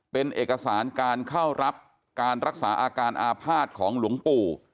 เป็นเอกสารการเข้ารับการรักษาอาการอาภาษณ์ของหลวงปู่